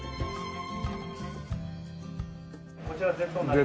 こちら「Ｚ」になります。